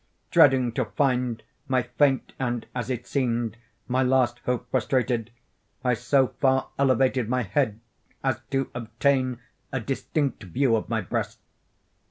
Dreading to find my faint, and, as it seemed, my last hope frustrated, I so far elevated my head as to obtain a distinct view of my breast.